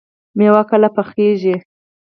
مېوه کله پخیږي؟